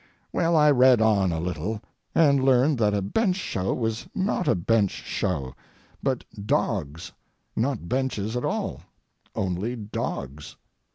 Well, I read on a little, and learned that a bench show was not a bench show—but dogs, not benches at all—only dogs.